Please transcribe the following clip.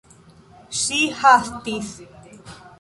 Ŝi hastis.